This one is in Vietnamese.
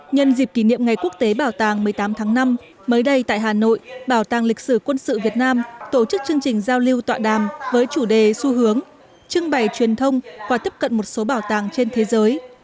nhân dịp kỷ niệm ngày quốc tế bảo tàng một mươi tám tháng năm mới đây tại hà nội bảo tàng lịch sử quân sự việt nam tổ chức chương trình giao lưu tọa đàm với chủ đề xu hướng trưng bày truyền thông và tiếp cận một số bảo tàng trên thế giới